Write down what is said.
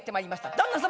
「旦那様！